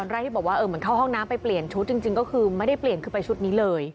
แรกที่บอกว่าเหมือนเข้าห้องน้ำไปเปลี่ยนชุดจริงก็คือไม่ได้เปลี่ยนคือไปชุดนี้เลย